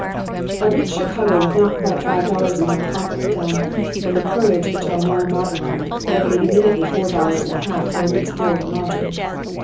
'I reached Chicago with not quite five dollars in my pockets, and, with a courage which I now marvel at, I paid immediately four dollars and a half for a week's board and lodging.